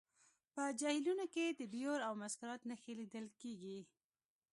په جهیلونو کې د بیور او مسکرات نښې لیدل کیږي